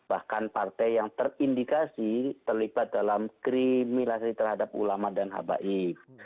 bahkan partai yang terindikasi terlibat dalam kriminalisasi terhadap ulama dan habaib